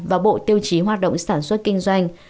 và bộ tiêu chí hoạt động sản xuất kinh doanh